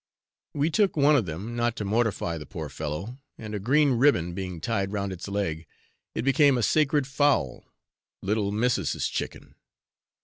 We took one of them, not to mortify the poor fellow, and a green ribbon being tied round its leg, it became a sacred fowl, 'little missis's chicken.'